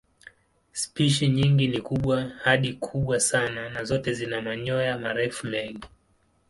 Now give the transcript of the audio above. Spishi nyingi ni kubwa hadi kubwa sana na zote zina manyoya marefu mengi.